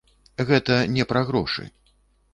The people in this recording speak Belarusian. Гэта не пра грошы.